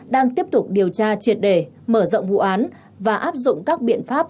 đang tiếp tục điều tra triệt đề mở rộng vụ án và áp dụng các biện pháp